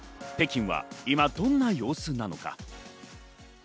北京は今、どんな様子なのか？